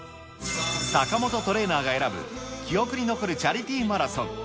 坂本トレーナーが選ぶ記憶に残るチャリティーマラソン。